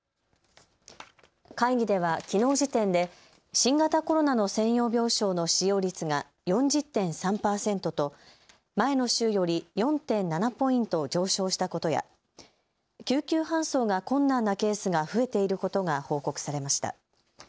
会議ではきのう時点で新型コロナの専用病床の使用率が４０．３％と前の週より４．７ポイント上昇したことや救急搬送が困難なケースが増えていることが報告されました。